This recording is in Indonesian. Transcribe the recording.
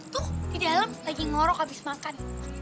tuh di dalam lagi ngorok abis makan